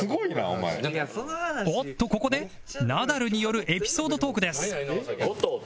おっとここでナダルによるエピソードトークです